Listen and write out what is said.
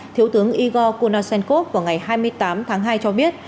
thiếu tướng igor kunashenkov vào ngày hai mươi tám tháng hai cho biết